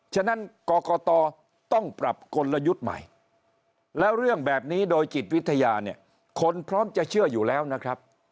ฉะนั้นกรกตต้องปรับกลยุทธ์ใหม่แล้วเรื่องแบบนี้โดยจิตวิทยาเนี่ยคนพร้อมจะเชื่ออยู่แล้วนะครับ